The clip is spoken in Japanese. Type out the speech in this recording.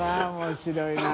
面白いな。